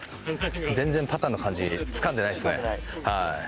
全然パターの感じつかんでないですねはい。